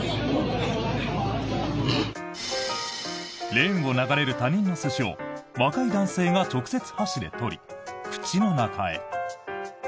レーンを流れる他人の寿司を若い男性が直接、箸で取り口の中へ。